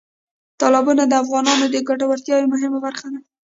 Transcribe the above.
تالابونه د افغانانو د ګټورتیا یوه مهمه برخه ده.